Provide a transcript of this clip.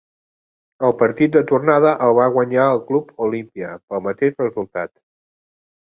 El partit de tornada el va guanyar el Club Olimpia pel mateix resultat.